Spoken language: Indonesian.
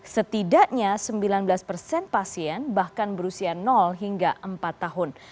setidaknya sembilan belas persen pasien bahkan berusia hingga empat tahun